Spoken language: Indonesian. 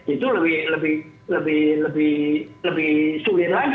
itu lebih sulit lagi untuk direpas